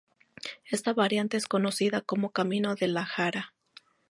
Esta variante es conocida como Camino de la Jara.